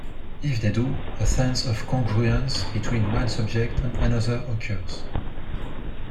If they do, a sense of congruence between one subject and another occurs.